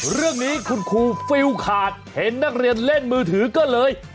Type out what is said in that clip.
เรื่องนี้คุณครูฟิลขาดเห็นนักเรียนเล่นมือถือก็เลย